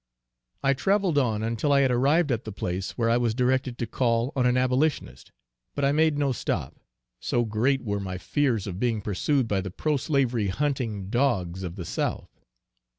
I travelled on until I had arrived at the place where I was directed to call on an Abolitionist, but I made no stop: so great were my fears of being pursued by the pro slavery hunting dogs of the South.